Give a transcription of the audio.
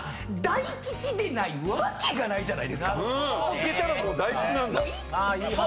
行けたらもう大吉なんだ。